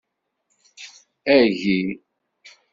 Agi.